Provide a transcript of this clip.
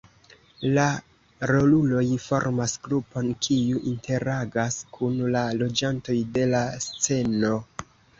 La roluloj formas grupon kiu interagas kun la loĝantoj de la sceno.